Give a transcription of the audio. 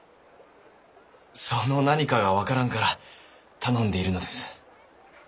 その何かが分からんから頼んでいるのです。